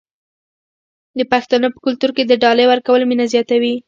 د پښتنو په کلتور کې د ډالۍ ورکول مینه زیاتوي.